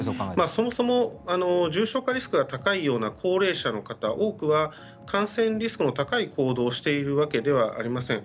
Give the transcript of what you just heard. そもそも重症化リスクが高いような高齢者の方多くは感染リスクの高い行動をしているわけではありません。